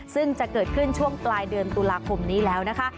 ซึ่งจะเกิดขึ้นช่วงปลายเดือนตุลาคมนี้แล้วนะคะ